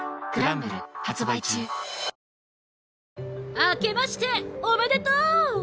あけましておめでとう！